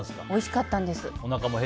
おいしかったんですか。